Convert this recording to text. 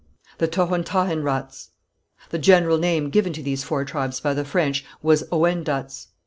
The Tohontahenrats. The general name given to these four tribes by the French was Ouendats.